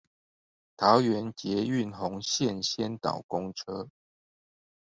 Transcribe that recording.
桃園捷運紅線先導公車